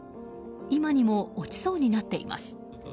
今にも落ちそうになっています。